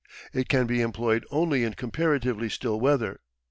It can be employed only in comparatively still weather.